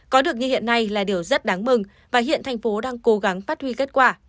có được như hiện nay là điều rất đáng mừng và hiện thành phố đang cố gắng phát huy kết quả